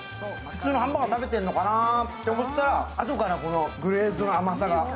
普通のハンバーガー食べてるのかなと思ったらあとからグレーズの甘さが。